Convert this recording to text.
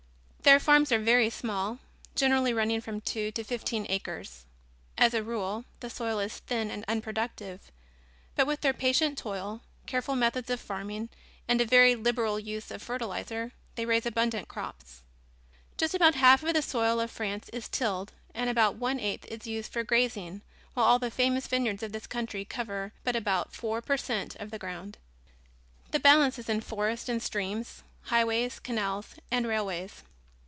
Their farms are very small, generally running from two to fifteen acres. As a rule, the soil is thin and unproductive, but with their patient toil, careful methods of farming and a very liberal use of fertilizer they raise abundant crops. Just about half of the soil of France is tilled and about one eighth is used for grazing while all the famous vineyards of this country cover but about four per cent of the ground. The balance is in forests and streams, highways, canals, and railways.